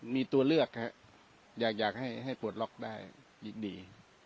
มีตัวเลือกครับอยากให้ปลดล็อกได้ยิ่งดี